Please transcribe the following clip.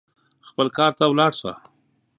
خپل کار ته ولاړ سه.